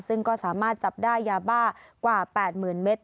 ซึ่งก็สามารถจับได้ยาบ้ากว่า๘๐๐๐เมตร